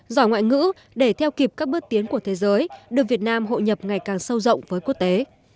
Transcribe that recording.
giỏi ngoại ngữ để theo kịp các bước tiến của thế giới đưa việt nam hội nhập ngày càng sâu rộng với quốc tế